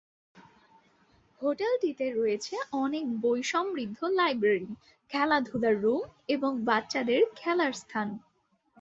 হোটেলটিতে রয়েছে অনেক বই সমৃদ্ধ লাইব্রেরী, খেলাধুলার রুম এবং বাচ্চাদের খেলার স্থান।